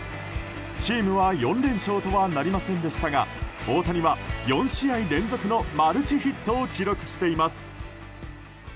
チームは４連勝とはなりませんでしたが大谷は４試合連続のマルチヒットを記録しています。